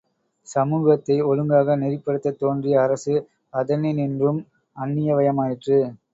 சமூகத்தை ஒழுங்காக நெறிப்படுத்தத் தோன்றிய அரசு, அதனின்றும் அந்நியவயமாயிற்று.